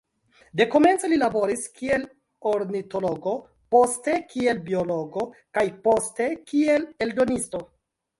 Dekomence li laboris kiel ornitologo, poste kiel biologo, kaj poste kiel eldonisto.